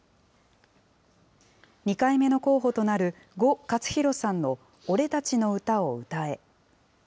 ２回目の候補となる呉勝浩さんのおれたちの歌をうたえ。